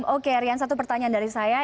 oke rian satu pertanyaan dari saya